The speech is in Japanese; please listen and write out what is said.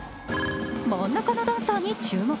真ん中のダンサーに注目。